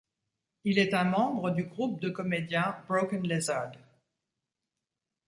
Il est un membre du groupe de comédiens Broken Lizard.